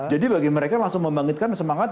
jadi bagi mereka langsung membangkitkan semangat